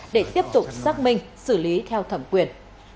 để tiếp tục xác minh xử lý theo thẩm quyền